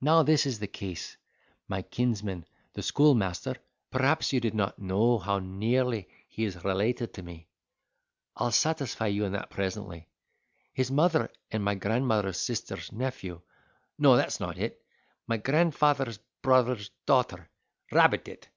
Now this is the case: my kinsman, the schoolmaster—perhaps you did not know how nearly he is related to me—I'll satisfy you in that presently; his mother and my grandmother's sister's nephew—no, that's not it!—my grandfather's brother's daughter—rabbit it!